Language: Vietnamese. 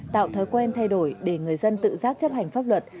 tạo thói quen thay đổi để người dân tự giác chấp hành pháp luật